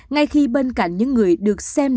ngay khi bên cạnh những người được xem là người